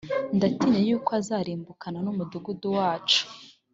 ndatinya yuko azarimbukana n’umudugudu wacu